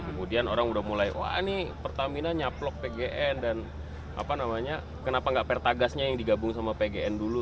kemudian orang udah mulai wah ini pertamina nyaplok pgn dan apa namanya kenapa nggak pertagasnya yang digabung sama pgn dulu